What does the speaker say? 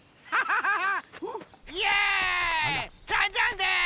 ジャンジャンです！